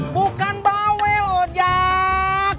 bukan bawel ojak